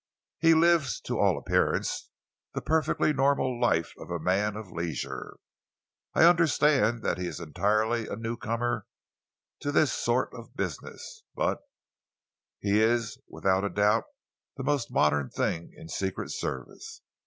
He lives, to all appearance, the perfectly normal life of a man of leisure. I understand that he is entirely a newcomer to this sort of business, but he is, without a doubt, the most modern thing in secret service.